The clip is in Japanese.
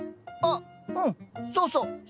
あっうんそうそう。